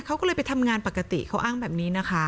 เขาก็เลยไปทำงานปกติเขาอ้างแบบนี้นะคะ